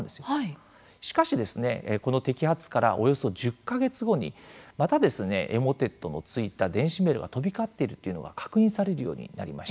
しかしこの摘発からおよそ１０か月後にまたエモテットの付いた電子メールが飛び交っているというのが確認されるようになりました。